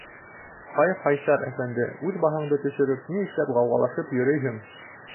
— Ҡай-Ҡайсар әфәнде, үҙ баһаңды төшөрөп, ни эшләп ғауғалашып йөрөйһөң?